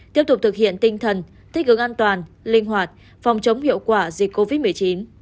tiếp tục thực hiện tinh thần thích ứng an toàn linh hoạt phòng chống hiệu quả dịch covid một mươi chín